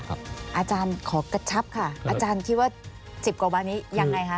อาจารย์ขอกระชับค่ะอาจารย์คิดว่า๑๐กว่าวันนี้ยังไงคะ